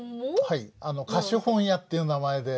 はい貸本屋っていう名前で。